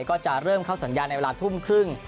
ก็จะเริ่มเข้าสัญญาณในเวลาทุ่มครึ่ง